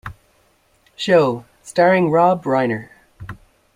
Show, starring Rob Reiner.